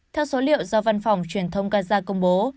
theo số liệu do văn phòng truyền thông gaza công bố